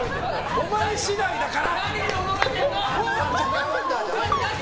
お前次第だから。